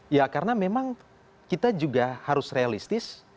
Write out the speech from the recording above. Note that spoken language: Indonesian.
ya karena memang kita juga harus realistis